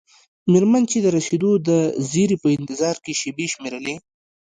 میرمن چې د رسیدو د زیري په انتظار کې شیبې شمیرلې.